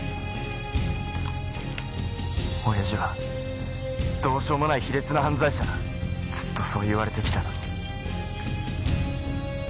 親父はどうしようもない卑劣な犯罪者だずっとそう言われてきたのに。